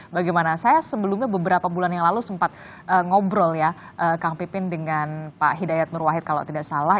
bagaimana saya sebelumnya beberapa bulan yang lalu sempat ngobrol ya kang pipin dengan pak hidayat nur wahid kalau tidak salah